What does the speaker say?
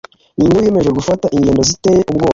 Ninde wiyemeje gufata ingendo ziteye ubwoba